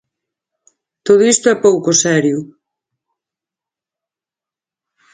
Todo isto é pouco serio.